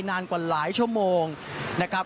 นานกว่าหลายชั่วโมงนะครับ